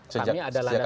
sejak kapan sih